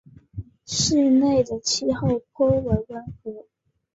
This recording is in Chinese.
市内的气候颇为温和。